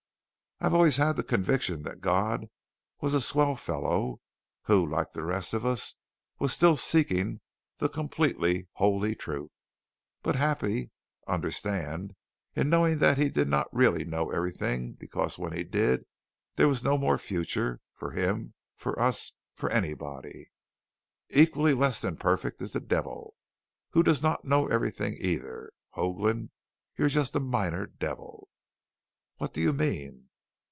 "I've always had the conviction that God was a swell Fellow, Who like the rest of us, was still seeking the completely Holy Truth. But happy, understand, in knowing that He did not really know everything because when He did there was no more future, for Him, for us, for anybody. Equally less than perfect is the Devil, who does not know everything either. Hoagland, you're just a minor devil." "What do you mean?"